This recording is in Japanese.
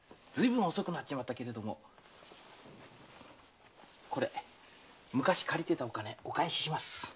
ずいぶん遅くなっちまったけれどこれ昔借りてたお金お返しします。